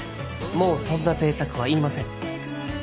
もうそんな贅沢は言いません。